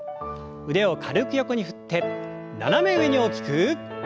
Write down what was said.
腕を軽く横に振って斜め上に大きく。